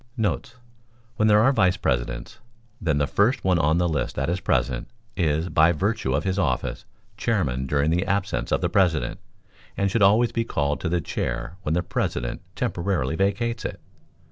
[When there are Vice Presidents, then the first one on the list that is present, is, by virtue of his office, chairman during the absence of the President, and should always be called to the chair when the President temporarily vacates it.